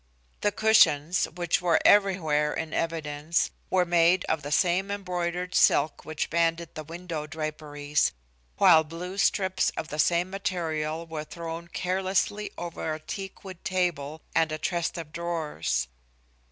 The cushions, which were everywhere in evidence, were made of the same embroidered silk which banded the window draperies, while blue strips of the same material were thrown carelessly over a teakwood table and, a chest of drawers.